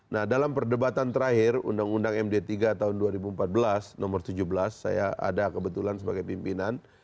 nah dalam perdebatan terakhir undang undang md tiga tahun dua ribu empat belas nomor tujuh belas saya ada kebetulan sebagai pimpinan